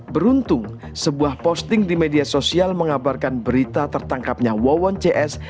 beruntung sebuah posting di media sosial mengabarkan berita tertangkapnya wawon cs